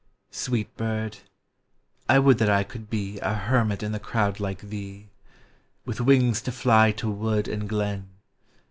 Sweet bird ! I would that I could be A hermit in the crowd like thee! With wings to fly to wood and glen.